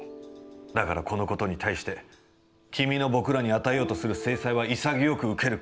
だから、この事に対して、君の僕らに与えようとする制裁は潔く受ける覚悟だ」。